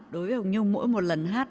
đối với hồng nhung mỗi một lần hát